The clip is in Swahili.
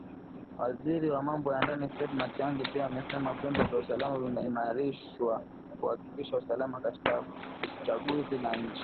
Waziri wa Mambo ya Ndani Fred Matiangi pia amesema vyombo vya usalama vimeimarishwa kuhakikisha usalama katika uchaguzi na nchi